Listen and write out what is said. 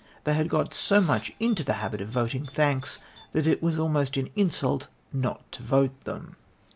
They had got so nuich into the habit of votino thanks that it was almost an insult not to vote them."